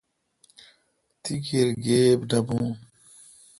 تی کیر گیب نہ بھو۔